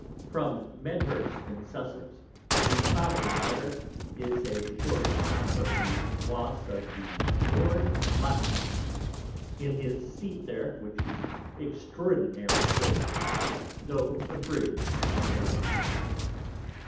_ From Medhurst in Sussex, the following Letter is a short account of the loss of the Lord Montacute, in his Seat there, which is extraordinary great, tho' Abridg'd in the Letter.